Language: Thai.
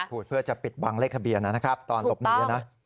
เพื่อจะปิดบังเลขทะเบียนนะครับตอนหลบหนีนะ